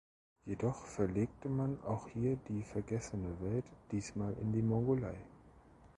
Jedoch verlegte man auch hier die „Vergessene Welt“, diesmal in die Mongolei.